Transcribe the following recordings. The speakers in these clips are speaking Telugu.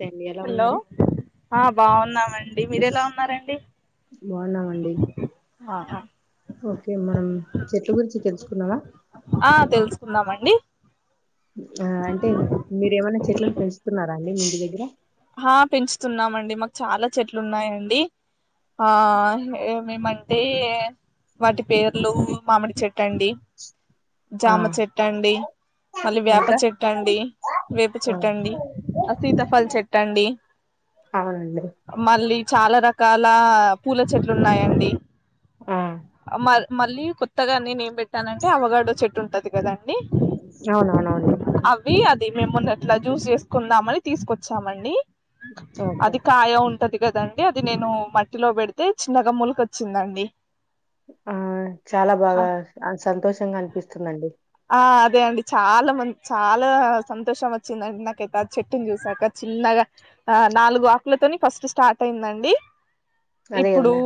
నమస్తే అండి ఎలా హలో ఉన్నారు ఆహా బాగున్నామండి ఓకే మనం చెట్ల గురించి తెలుసుకున్నావా ఆ తెలుసుకుందామండి ఆ అంటే మీరేమన్నా చ్ చెట్లను పెంచుతున్నారా అండి మీ ఇంటి దగ్గర ఆ పెంచుతున్నామండి మాకు చాలా చెట్లు ఉన్నాయండి. ఆ ఏమేమంటే వాటి పేర్లు మామిడి చెట్టు అండి. ఆ జామ చెట్టు అండి మళ్ళీ వేప ఇంకా చెట్టు అండి వేప ఆ చెట్టండి ఆ సీతాఫల్ చెట్ ట్టండి అవునండి మళ్ళీ చాలా రకాల పూల చెట్లు ఉన్నాయండి ఆ మ మళ్ళీ కొత్తగా నేను ఏం పెట్టానంటే అవగాడో చెట్టు ఉంటది కద అవును అవునండి ది మేమున్న ఎట్లా జ్యూస్ చేసుకుందామని తీసుకొచ్చా స్తమండి ఓకే అది కాయ ఉంటది. కదండి అది నేను మట్టిలో పెడితే చిన్నగా మొలకొచ్చిందండి. ఆ చాలా బాగా ఆ సంతోషంగా అనిపిస్తుందండి. ఆ అదే అండి చాలా మంది చాలా సంతోషం వచ్చిందండి. నాకైతే చెట్టుని చూసాక చిన్నగా ఆ నాలుగు ఆకులతోని ఫస్ట్ స్టార్ట్ అయిందండి. అదే ఇప్పుడు కదనా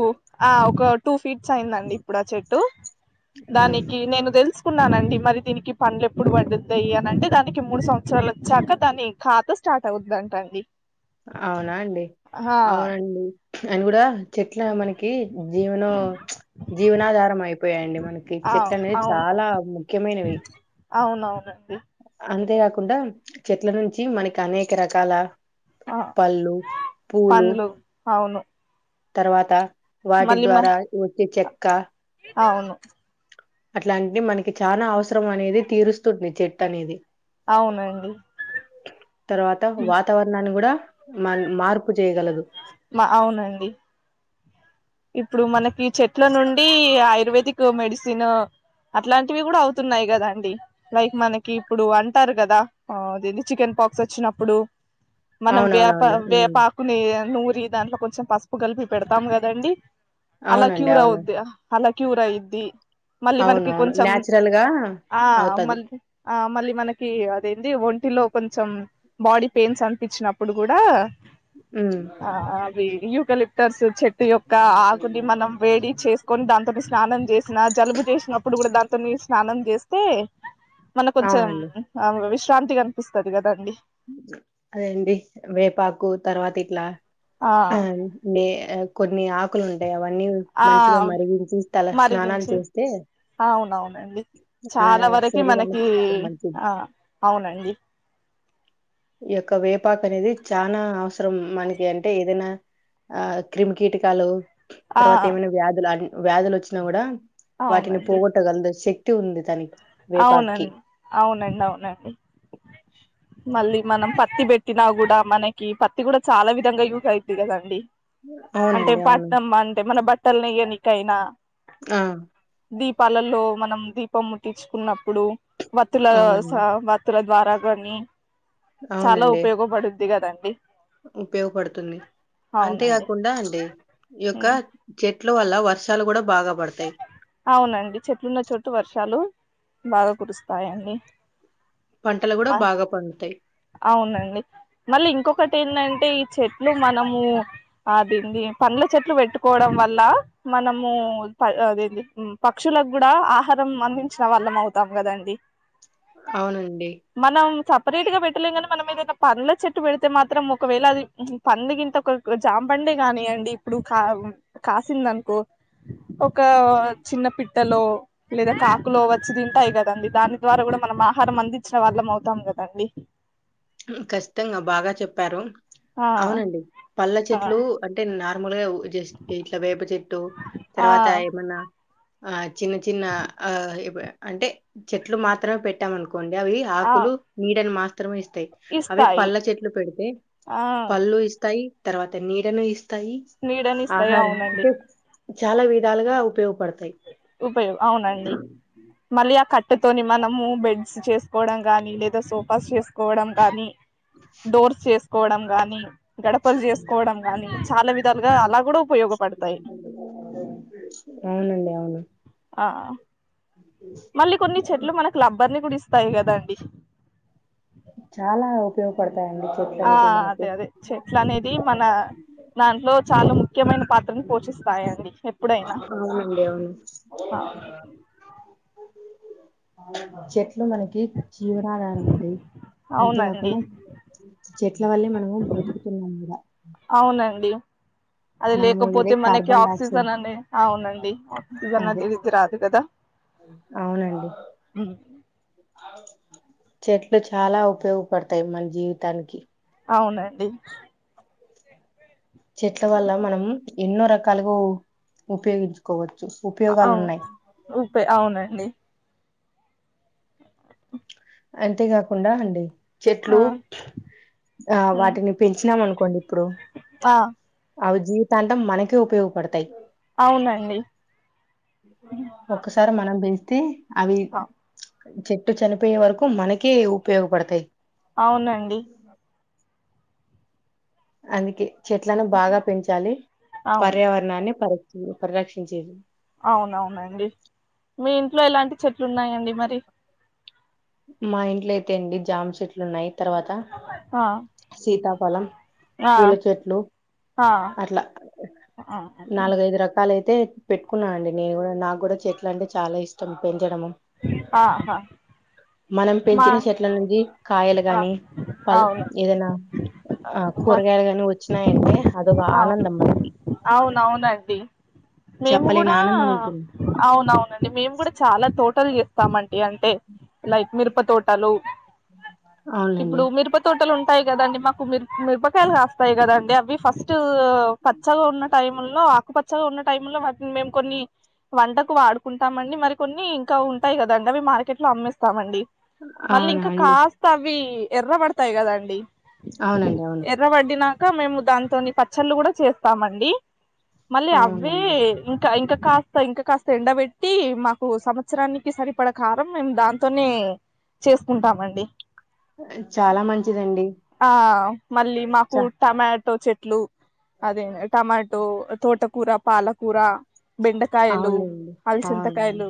ఆ ఒక టూ ఫీట్స్ అయిందండి. ఇప్పుడు ఆ చెట్టు దానికి నేను దెల్స్ కున్నానండి. మరి దీనికి పండ్లు ఎప్పుడు పండుతాయి. అని అంటే దానికి మూడు సంవత్సరాలు వచ్చాక దాని ఖాతా స్టార్ట్ అవుద్ద అంట అండి. అవునా అండి అవునండి అయన కూడా చెట్ల మనకి జీవనో మ్మచ్ జీవనాధారం అయిపో పోయండి మనకి అవు చెట్లనేది చాలా ముఖ్యమైనవి. అవునవును అంతే కాకుండా చెట్ల నుంచి మనకి అనేక రకాల ఆ పళ్ళు పూలు పండ్లు అవును తర్వాత వాటి మళ్ళీ మ ద్వారా వచ్చే చెక్క అవును అట్లాంటివి మనకి చానా అవసరం అనేది తీరుస్తుంది చెట్టు అనేది. అవునండి. తర్వాత వాతావరణాన్ని కూడా మ మార్పు చేయగలదు. మా అవునండి. ఇప్పుడు మనకి చెట్ల నుండి ఆయుర్వేదిక్ మెడిసిన్ అట్లాంటివి కూడా అవుతున్నాయి కదా అండి. లైక్ మనకి ఇప్పుడు అంటారు కదా ఆ అదేంది చికెన్ పక్స్ వచ్చినప్పుడు మనం వేపా అవునవునండి. హ్మ్. వేపాకుని నూ ది దాంట్లో కొంచం పసుపు కలిపి పెడతాం కదండి‌ అలా అవునండి. క్యూర్ అవును. అవుద్ది. హా అలా క్యూర్ అయిద్ది. మళ్ళీ మనకి అవునవును కొంచెం న్యాచురల్ గా ఆ అవుతాది. మళ్ళీ ఆ మళ్ళీ మనకి అదేంది ఒంటిలో కొంచెం బాడీ పెయిన్స్ అనిపించినప్పుడు కూడా హ్మ్. ఆ అవి యు కలెక్టర్స్ చెట్ ఇకా ఆకుని మనం వేడి చేసుకొని దాంతోటే స్నానం చేసిన జలుబు చేసినప్పుడు కూడా దాంతో మీరు స్నానం చేస్తే మళ్ళ కొంచెం అవునండి. వి శాంతిగా అనిపిస్తుంది కదండి అదాండి వేపాకు తర్వాత ఇట్లా ఆ బే కొన్ని ఆప్ ఆకులు ఉంటాయి అవన్నీ ఆ మంచిగా మరిగించి తల స్నానాలు మరిగించి చేస్తే అవునవునండి మన చాలా వరకి మనకి శరీరానికి చాలా మంచిది ఆ అవునండి ఈ యొక్క వేపాక అనేది చానా అస అవసరం మనకి అంటే ఏదైనా ఆ క్రిమీ కీటకాలు ఆ తర్వాత ఏమైనా వ్యాధులు వ్యాధులు వచ్చినా కూడా వాటిని అవునండి పోగట గల అంత శక్తి ఉంది దానికి వేపాకుకి. అవునండి అవునండి అవునండి మళ్ళీ మనం పత్తి పెట్టినా కూడా మనకి పత్తి కూడా చాలా విధంగా యుజ్ అయ్యింది కదండి అంటే అవునండి. అవును. పట్నం అంటే మన బట్టల్ నెయ్యనికైనా ఆ దీపాలలో మనం దీ కొ ముటించుకున్నప్పుడు వత్తుల అవునండి. స వత్తుల ద్వారా కానీ చాలా అవునండి. ఉపయోగపడుద్ది కదండి ఉపయోగపడుతుంది. అవునండి అంతేకాకుండా అంటే ఈ యొక్క ఉమ్, చెట్ వల్ల వర్షాలు కూడా బాగా పడతాయి. అవునండి చెట్లున్న చోటు వర్షాలు బాగా కురుస్తాయండి పంటలు గూడా బాగా పండుతాయి. అవునండి. మళ్ళీ ఇంకొకటి, ఏంటంటే ఈ చెట్లు మనము అదేంది పండ్ల చెట్లు పెట్టుకోవడం వల్ల మనము అదేంది పక్షులకు కూడా ఆహారం అందించిన వాళ్ళం అవుతాం. కదండి. అవునండి పేట్ గా పెట్టలే కాని మనం ఏదైనా పండ్ల చెట్టు పెడితే మాత్రం ఒకవేళ అది పం గంత జాంపండే, కాని అండి ఇప్పుడు కా కాసింది. అనుకో ఒక చిన్న పిట్టలో లేదా కాకులో వచ్చి తింటాయి. కదండి దాని ద్వారా కూడా మనం ఆహారం, అందించిన వాళ్ళం అవుతాం. కదండి. ఖచ్చితంగా బాగా చెప్పారు. ఆ అవునండి పల్ల ఆ చెట్లు అంటే నా మామూలుగా ఉ జస్ట్ట్ ఇట్లా వేప చెట్టు అటు తర్వాత ఆ ఏమన్నా ఆ చిన్న చిన్న ఆ ఇ అంటే చెట్లు మాత్రమే పెట్టామనుకో కోండి అవి ఆ ఆకులు నీడని మాస్ మాత్రమే ఇస్తయి అవే ఇస్తాయి పళ్ళ చెట్లు పెడితే ఆ పళ్ళు ఇస్తాయి తర్వాత నీడను ఇస్ తయి నీడనిస్తాయి ఆహారం అవునండి అంటే చాలా విధాలుగా ఉపయోగపడుతయి ఉపయోగ అవునండి మళ్ళీ ఆ కట్ అట్తోని మనము బెడ్స్ చేసుకోవడం గాని లేదా సోఫాస్ చేసుకోవడం గాని డోర్స్ చేసుకోవడం కోవడం గాని గడపలు చేసుకోవడం గాని చాలా విధాలుగా అలా కూడా ఉపయోగపడతాయి లో అవును ఆ మళ్ళీ కొన్ని చెట్లు మనకు లబ్బర్ ని కూడా ఇస్త స్తాయి కదా అండి చాల అవి ఉపయోగపడతాయి ఆ అదే అదే చెట్లు అనేది మన దాంట్లో చాలా ముఖ్యమైన పాత్రను పోషిస్తాయండి ఎప్పుడైనా అవునండి. అవును. చెట్లు మనకి జీవనాధారం అండి అంతే అవునండి కాకుండా చెట్ల వల్లే న బతుకుతున్నందున అవునండి అది లేకపోతే మనకి డయాక్సైడ్ ఆక్సిజన్ అనే అవునండి ఆక్సిజన్ అదే అది ఇది రాదు కదా అవునండి చెట్లు చాలా ఉపయోగపడతాయి మన జీవితానికి అవునండి చెట్ల వల్ల మనం ఎన్నో రకాలుగా ఉపయోగించుకోవ అవును ఊపే అవునండి అంతేకాకుండా అండి ఆ చెట్లు ఆ ఉమ్, వాటిని పెంచినాం అనుకోండి ఇప్పుడు ఆ అవి జీవితాంతం మనకే ఉపయోగపడతాయ్ అవునండి ఒకసారి మనం బే తే అవి ఆ, చెట్టు చనిపోయే వరకు మనకే ఉపయోగపడతాయ్ అవునండి అందుకే చెట్లను బాగా పెంచాలి అవును పర్యావరణాన్ని పరి పరిరక్షించేది అవునవునండి మీ ఇంట్లో ఎలాంటి చెట్లు ఉన్నాయండి మరి మా ఇంట్లో అయితే అండి జామ్ చెట్లు ఉన్నాయి తర్వాత ఆ సీతాఫలం ఆ పూల చెట్లు ఆ అట్లా ఆ, నాలుగైదు రకాలయి అయితే పెట్టుకున్నానండి నేను కూడా నాకు కూడా చెట్లు అంటే చాలా ఇష్టం పె ఆహా మనం మా పెంచిన చెట్ల నుంచి కాయలు ఆ, గాని పల్ అవును ఏదైనా ఆ వస్- కూరగాయలు గాని వచ్చినాయంటే అదొక అవును ఆనందం మనకి అవునవునండి మేము చెప్పలేని కూడా ఆనందం ఉంటుంది టల్ చేస్తామంటి అంటే లైక్ మీరు ప్ప తోటాలు ఇప్పుడు అవునండి మిరుప తోటలు ఉంటా టయ్ కదండి మాకు మిరపకాయలు కాస్తాయి కదండి అవి ఫస్ట్ పచ్చగా ఉన్న టైమ్లో ఉక్కు పచ్చగా ఉన్న టైం లో వాటిని మేము కొన్ని వంటకు వాడుకుంటామండి మరి కొన్ని ఇంకా ఉంటాయి కద అండి అవి మార్కెట్ లో అమ్మేస్తామండి మళ్ళీ అవునా ఇంకా అండి కాస్త అవి ఎర్ర పడతాయి కదా అండి అవునండి అవును ఇకా మేము దాంతోని పచ్చళ్ళు కూడా చేస్తామండి మళ్ళీ అవే అవునండి ఇంకా ఇంకా కా ఇంకా కాస్త ఎండబెట్టి మాకు సంవత్సరానికి సరిపడ కారం మేము దాంతోనే చేసుకుంటామండి చాలా మంచిదండి ఆ మళ్ళీ చ మాకు టమాటో చెట్లు అదే టమా తో తోటకూరా పాలకూరా బెండకాయలు అవునండి అవునండి అలుసింతకాయలు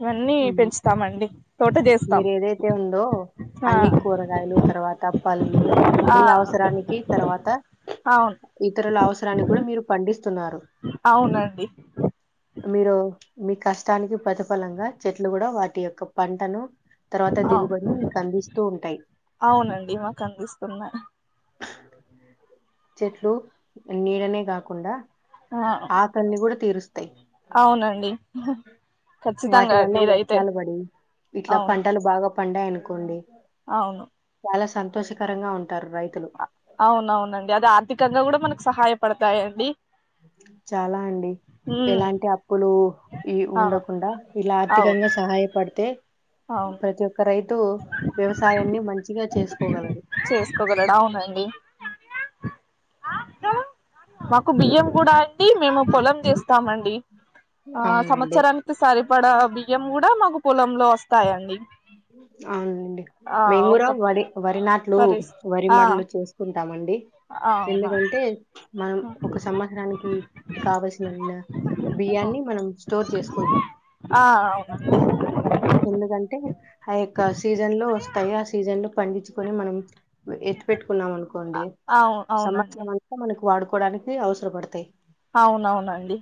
ఇవన్నీ ఉమ్. పెంచుతామండి టోటది మీరు ఏదైతే ఉందో అన్ని కూరగాయలు తర్వాత పళ్ళు ఆ మీ అవసరానికి తర్వాత అవును ఇతరుల అవసరానికి కూడా మీరు పండిస్ అవునండి మీరు మీ కష్టానికి ప్రతిఫలంగా చెట్లు కూడా వాటి యొక్క పంటను తర్వాత అవు దిగుబడిని మీకు అందిస్తూ ఉంటాయి అవునండి మాకు అందిస్తున్నాయి చెట్లు నీడనే గాకుండా ఆ ఆకాంలి కూడా తీరుస్త్ అవునండి వాటి ఖచ్చితంగా వల్ల అండి ఇదైతే వస్త్రాలు బడి ఇట్లా అవును పంటలు బాగా పండ అనుకోండి అవును చాలా సంతోషకరంగా ఉంటారు రైతులు అవునఅవునండి అది ఆర్థికంగా కూడా మనకు సహాయపడతాయండి చాలా అండి ఉమ్ ఎలాంటి అప్పులు ఉ ఈ ఆ ఉండకుండా ఇలా అవును ఆర్థికంగా సహాయపడితే అవును ప్రతి ఒక్క రైత్ టు వ్యవసాయాన్ని మంచిగా చేసుకోగలరు చేసుకోగలడు మా కు మాకు బియ్యం కూడా అండి మేము పొలం తీస్తామండి ఆ అవునండి సంవత్సరానికి సరిపడ బియ్యం కూడా మాకు పొలం లో వస్తాయండి అవునండి ఆ మేము కూడా ఒక వరి వరినాట్లు పరిస్ వరి ఆ మడలు చేసుకు ఉంటామండి ఆ, అవునా ఎందుకంటే మనం ఒక సంవత్సరానికి కావల్సినామ బియ్యాన్ని మనం స్టోర్ చేసుకుంటాం ఆ అవునండి ఎందుకంటే ఏక్క సీజన్ లో వస్తాయి ఆ సీజన్ లో పండించుకొని మనం ఎత్తు పెట్టుకున్నామానుకోండి అవు అవునండి సంవత్సరం అంతా మనకు వాడుకొ పోలానికి అవసర పడతై అవును అవునండి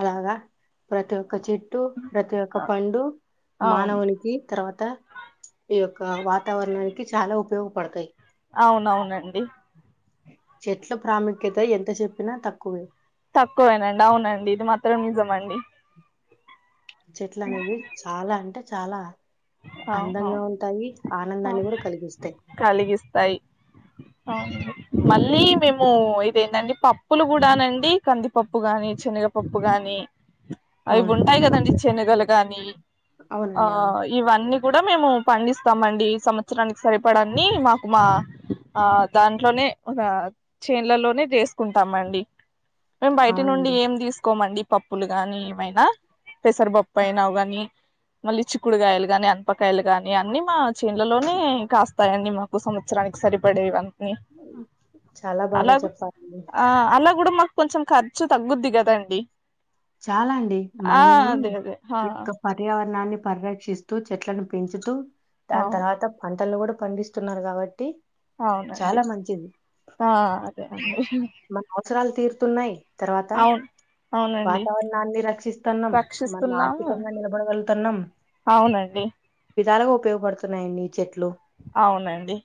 అలాగా ప్రతి ఒ ఒక చెట్టు ప్రతి ఒక ఆ, పండు అవును మానవునికి తర్వాత ఈ యొక్క వాతావరణానికి చాలా ఉపయోగపడతాయి. అవునవును నండి చెట్ల ప్రాముఖ్యత ఎంత చెప్పిన తక్కువే మండి చెట్లనేవి చాలా అంటే చాలా అందంగా అవునవును ఉంటాయి ఆనందాన్ని కూడా కలిగిస్తాయి అవునండి మళ్ళీ మేము ఇదేందండి పప్పులు కూడానండి కందిపప్పు గాని చనగపప్పు గాని అవి అవునండి ఉంటాయి కదండీ చనగలు దాని అవునండి అవును అన్ని కూడా మేము పండిస్తామండి సంవత్సరానికి సరిపడా అన్ని మాకు మా ఆ దాంట్లోనే చేన్లలోనే చేసుకుంటామండి మేమ్ బయటి నుండి అవునండి ఏం తీసుకోమండి పప్పులుగాని ఏమైనా పెసరపప్పు అయినా గానీ మళ్ళీ చిక్కుడుగాయలు గానీ అనపకాయలు కాని అన్ని మా చేన్లలోనే కాస్త తాయండి మాకు సంవత్సరానికి సరిపడేవి ఉ చాలా బాగా అలాగొ చెప్పారండి ఆ అలా గుడామాకు కొంచెం ఖర్చు తగ్గుద్ది గదండి చాలండి మనం అదే ఆ ఈ యొక్క పర్యావరణాన్ని పరిరక్షిస్తూ చెట్లను పెంచుతు దాని అవును తర్వాత పంటల్లో గుడ పండిస్తున్నారు గాబట్టి అవునండి ఆ అదేనండి మన అవసరాలు తీరుతున్నాయి తర్వాత అవును అవునండి వాతావరణాన్ని రక్షిస్తున్నాం మనం రక్షిస్తున్నాము ఆర్థికంగా నిలబడగలుగుతున్నాం అవునండి విధాలగా ఉపయోగ ఉపయోగపడుతున్నాయండి చెట్లు అవునండి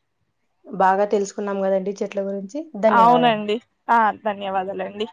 బాగా తెలుసుకున్నాం కదండి చెట్ల గురించి డి ధన్యవాదాలు అవునండి ఆ ధన్యవాదాలండి